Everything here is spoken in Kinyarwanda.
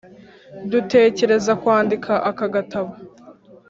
dutekereza kwandika aka gatabo